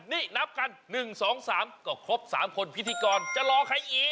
นี่นับกัน๑๒๓ก็ครบ๓คนพิธีกรจะรอใครอีก